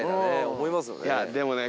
思いますよね。